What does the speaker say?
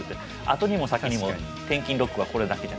後にも先にも転勤ロックはこれだけじゃないですか。